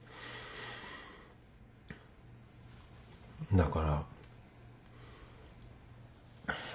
だから。